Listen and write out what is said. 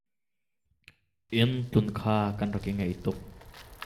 Inn tlun kha kan rak i ngeih tuk.